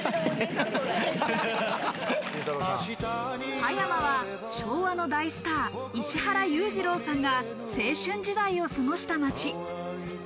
葉山は昭和の大スター、石原裕次郎さんが青春時代を過ごした街。